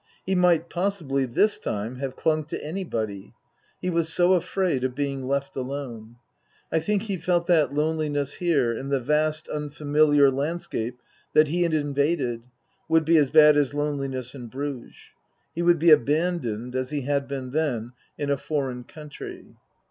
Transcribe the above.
He might, possibly, this time, have clung to anybody ; he was so afraid of being left alone. I think he felt that loneliness here, in the vast, unfamiliar landscape that he had invaded, would be as bad as loneliness in Bruges. He would be abandoned, as he had been then, in a foreign country.